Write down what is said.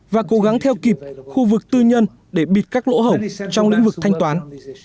và cố gắng theo kịp khu vực tư nhân để bịt các lỗ hổng trong lĩnh vực thanh toán